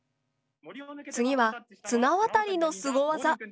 次は綱渡りのスゴ技。